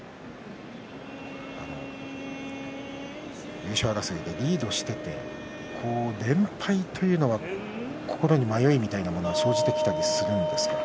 優勝争いでリードしていて連敗というのは心に迷いみたいなものは生じてきたりするんですか？